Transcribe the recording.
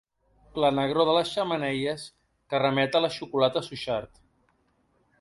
La negror de les xemeneies que remet a la xocolata Suchard.